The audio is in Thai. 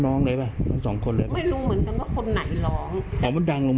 ร้องบางทีกลั้นคืนก็ร้อง